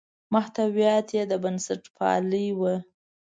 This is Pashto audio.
محتویات یې د بنسټپالنې وو.